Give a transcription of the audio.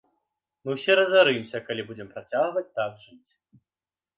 Мы ўсе разарымся, калі будзем працягваць так жыць.